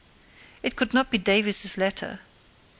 It could not be Davies's letter.